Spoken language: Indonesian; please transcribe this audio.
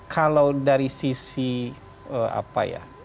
kalau dari sisi